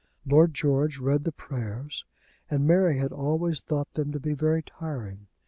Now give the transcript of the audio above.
Lord George read the prayers, and Mary had always thought them to be very tiring.